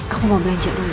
aku mau belanja dulu